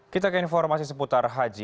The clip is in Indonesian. kita ke informasi seputar haji